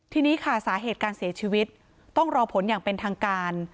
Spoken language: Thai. ทีนี้ค่ะสาเหตุการเสียชีวิตต้องรอผลอย่างเป็นทางการ